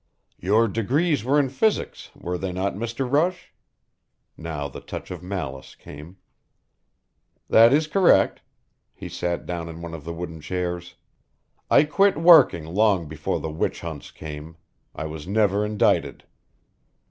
"Your degrees were in physics, were they not, Mr. Rush?" Now the touch of malice came. "That is correct." He sat down in one of the wooden chairs. "I quit working long before the witch hunts came. I was never indicted."